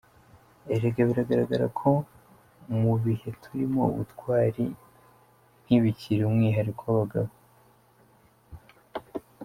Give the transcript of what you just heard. Erega biragaragaye ko mu bihe turimo, ubutwari ntibikiri umwihariko w’abagabo.